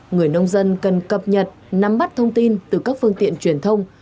người nông dân cần cập nhật nắm bắt thông tin từ các phương tiện truyền thông